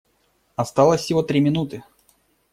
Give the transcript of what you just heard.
Осталось всего три минуты.